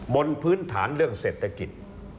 บนพื้นฐานเรื่องเศรษฐกิจ